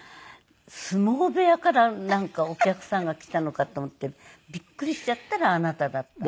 相撲部屋からなんかお客さんが来たのかと思ってびっくりしちゃったらあなただったの。